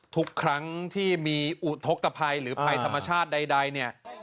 ทุกครั้งที่มีอุทธกภัยหรือภัยธรรมชาติใดเนี่ย